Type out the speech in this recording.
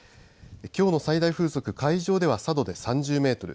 きょうの最大風速は海上では佐渡で３０メートル。